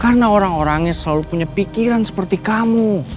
karena orang orangnya selalu punya pikiran seperti kamu